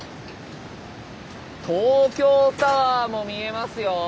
東京タワーも見えますよ。